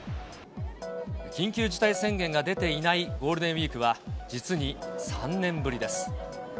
緊急事態宣言が出ていないゴールデンウィークは実に３年ぶりです。